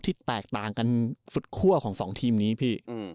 ที่แตกต่างกันสุดขั้วของ๒ทีมนี้